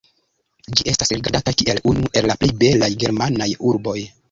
Ĝi estas rigardata kiel unu el la plej belaj germanaj urboj.